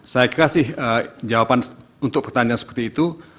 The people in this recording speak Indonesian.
saya kasih jawaban untuk pertanyaan seperti itu